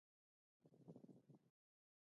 کۀ د هرې ډډې انتها پسند مې پۀ دې نيت فالو کوي